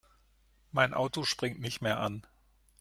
Mein Auto springt nicht mehr an.